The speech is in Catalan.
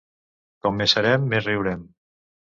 Com més serem, més riurem.